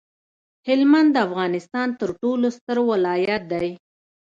هلمند د افغانستان ترټولو ستر ولایت دی